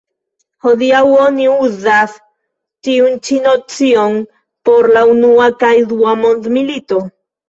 Hodiaŭ oni uzas tiun ĉi nocion por la unua kaj dua mondmilito.